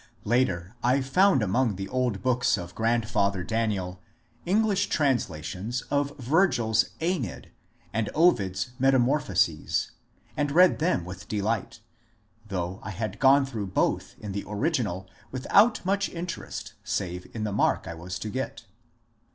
Later I found among the old books of grandfather Daniel English translations of Virgil's ^^^neid" and Ovid's *^ Metamorphoses," and read them with delight, though I had gone through both in the ori ginal without much interest save in the mark I was to get.